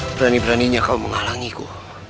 berani beraninya kau menghalangiku